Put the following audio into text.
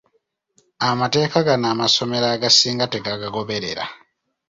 Amateeka gano amasomero agasinga tegagagoberera.